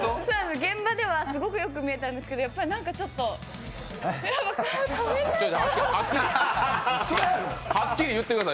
現場ではすごくよく見えたんですけどやっぱりなんかちょっとごめんなさい。